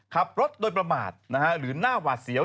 ขับรถโดยประมาทหรือหน้าหวาดเสียว